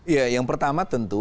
ya yang pertama tentu